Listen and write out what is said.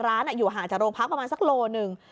ร้านอยู่ห่างจากโรงพักษณ์ประมาณสักโลกรัม๑